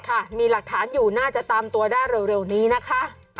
ค่ะมีหลักฐานอยู่น่าจะตามตัวได้เร็วนี้นะคะ